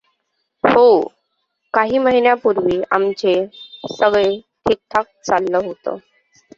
हो, काही महिन्यांपूर्वी आमचे सगळे ठीकठाक चाललं होतं.